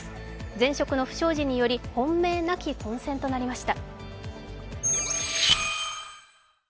前職の不祥事により、本命なき当選となりました。